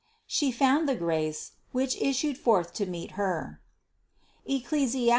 She found the grace, which issued forth to meet her (Eccli.